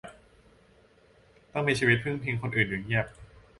ต้องมีชีวิตพึ่งพิงคนอื่นอยู่เงียบ